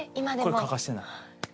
これ欠かしてない。